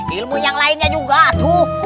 ilmu yang lainnya juga aduh